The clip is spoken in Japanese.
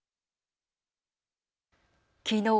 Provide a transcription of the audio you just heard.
きのう